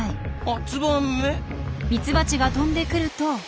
あツバメ？ミツバチが飛んでくると。